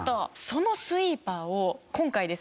そのスイーパーを今回ですね